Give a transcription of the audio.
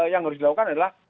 yang harus dilakukan adalah